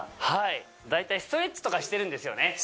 はい大体ストレッチとかしてるんですよね